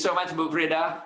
terima kasih banyak bu breda